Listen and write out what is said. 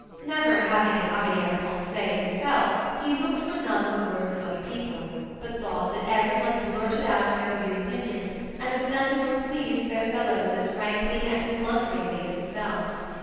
Never having an arrière pensée himself, he looked for none in the words of other people, but thought that every one blurted out their real opinions, and offended or pleased their fellows as frankly and blunderingly as himself.